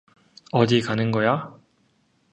어디 가는 거야?